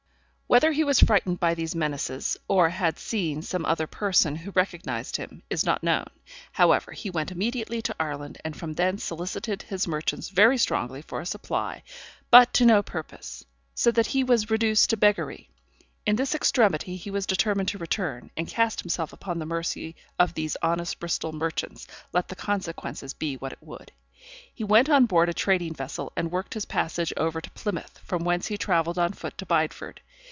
Whether he was frightened by these menaces, or had seen some other person who recognised him, is not known; however, he went immediately to Ireland, and from thence solicited his merchants very strongly for a supply, but to no purpose; so that he was reduced to beggary. In this extremity he was determined to return, and cast himself upon the mercy of these honest Bristol merchants, let the consequence be what it would. He went on board a trading vessel, and worked his passage over to Plymouth, from whence he travelled on foot to Bideford.